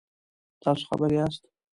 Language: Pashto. تاسو خبر یاست؟